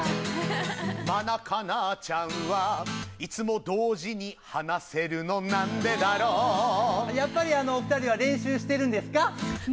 「マナカナちゃんはいつも同時に話せるのなんでだろう」やっぱりお二人は練習してるんですか？